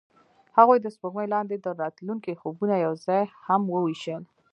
هغوی د سپوږمۍ لاندې د راتلونکي خوبونه یوځای هم وویشل.